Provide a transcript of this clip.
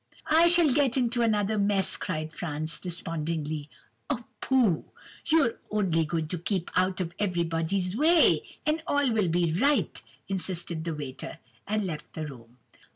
"'I shall get into another mess,' cried Franz, despondingly. "'Oh, pooh! you've only to keep out of everybody's way, and all will be right,' insisted the waiter, as he left the room.